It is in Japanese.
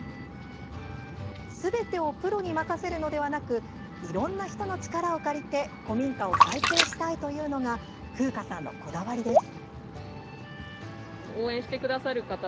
すべてをプロに任せるのではなくいろんな人の力を借りて古民家を再生したいというのが風夏さんのこだわりです。